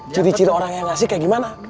ciri ciri orang yang ngasih kayak gimana